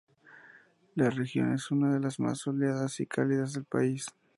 La región es una de las más soleadas y cálidas del país.